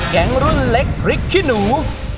แก๊งรุ่นเล็กพริกขี้หนู